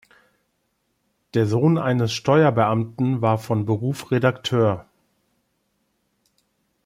Der Sohn eines Steuerbeamten war von Beruf Redakteur.